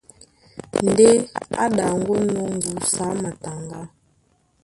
Ndé á ɗaŋgónɔ̄ ŋgusu á mataŋgá,